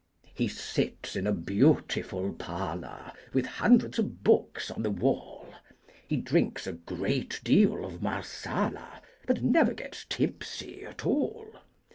He sits in a beautiful parlor, With hundreds of books on the wall; He drinks a great deal of Marsala, But never gets tipsy at all.